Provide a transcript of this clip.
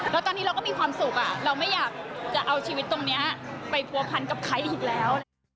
แล้วตอนนี้เราก็มีความสุขเราไม่อยากจะเอาชีวิตตรงนี้ไปผัวพันกับใครอีกแล้ว